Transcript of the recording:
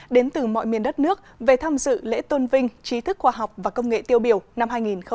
đến từ mọi miền đất nước về tham dự lễ tôn vinh trí thức khoa học và công nghệ tiêu biểu năm hai nghìn một mươi chín